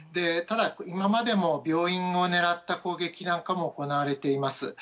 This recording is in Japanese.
ただ、今までも病院を狙った攻撃なんかも行われています。